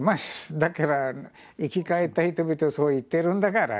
だから生き返った人々そう言ってるんだからね。